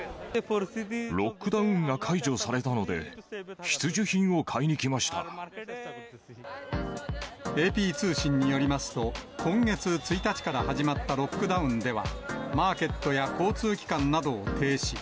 ロックダウンが解除されたのＡＰ通信によりますと、今月１日から始まったロックダウンでは、マーケットや交通機関などを停止。